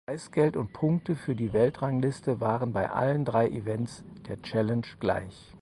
Preisgeld und Punkte für die Weltrangliste waren bei allen drei Events der Challenge gleich.